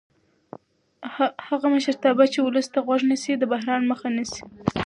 هغه مشرتابه چې ولس ته غوږ نیسي د بحران مخه نیسي